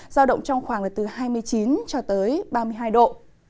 giao động trong khoảng là từ hai mươi chín ba mươi hai độ